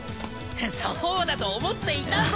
そうだと思っていたぞ